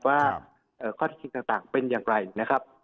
ว่าข้อที่จริงต่างเป็นอย่างไรนะครับ